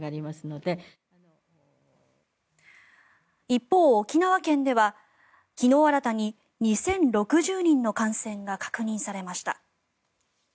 一方、沖縄県では昨日、新たに２０６０人の感染が確認されました。